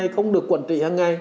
không được quản trị